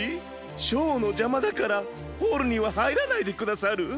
ショーのじゃまだからホールにははいらないでくださる？